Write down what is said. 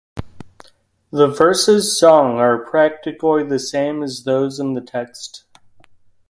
The verses sung are practically the same as those in the text.